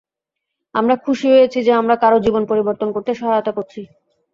আমরা খুশি হয়েছি যে আমরা কারো জীবন পরিবর্তন করতে সহায়তা করছি।